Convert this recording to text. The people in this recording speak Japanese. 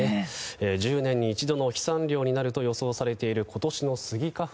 １０年に一度の飛散量になると予想されているそのスギ花粉